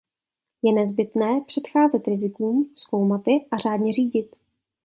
Je nezbytné předcházet rizikům, zkoumat je a řádně řídit.